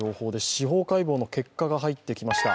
司法解剖の結果が肺ってきました。